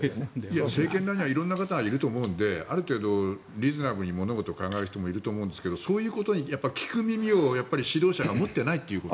政権には色んな方がいると思うのである程度、リーズナブルに物事を考える人がいると思うけどそういうことに聞く耳を指導者が持っていないということ？